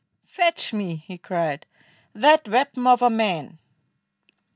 "Fetch me," he cried, "that weapon of a man!"